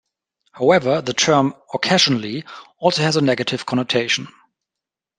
However, the term occasionally also has a negative connotation.